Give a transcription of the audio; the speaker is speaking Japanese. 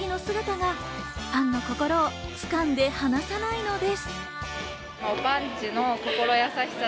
うさぎの姿が、ファンの心を掴んで離さないのです。